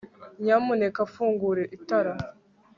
Nyamuneka fungura itara